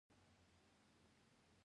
زه د مطالعې له پاره ځانګړی وخت لرم.